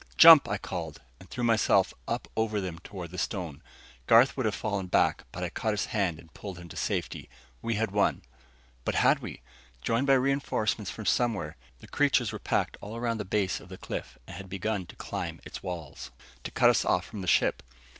"Jump," I called, and threw myself up over them toward the stone. Garth would have fallen back, but I caught his hand and pulled him to safety. We had won. But had we? Joined by reinforcements from somewhere, the creatures were packed all around the base of the cliff and had begun to climb its walls, to cut us off from the ship.